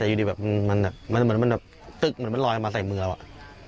แต่อยู่ดีมันแบบตึ๊กมันลอยมาใส่มือเรา